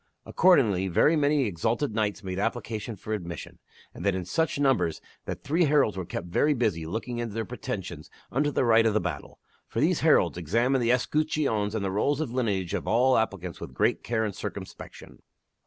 Accordingly, KAY ENTERS THE LISTS ii very many exalted knights made application for admission, and that in such numbers that three heralds were kept very busy looking into their pretensions unto the right of battle. For these heralds examined the es cutcheons and the rolls of lineage of all applicants with great care and cir cumspection.